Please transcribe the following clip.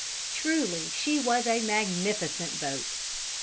Truly she was a magnificent boat!